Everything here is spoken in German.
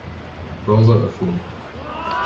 Browser öffnen.